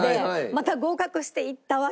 また合格して行ったわけ。